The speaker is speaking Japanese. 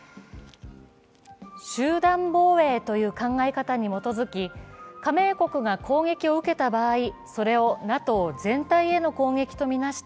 集団防衛という考え方に基づき、加盟国が攻撃を受けた場合それをＮＡＴＯ全体への攻撃とみなして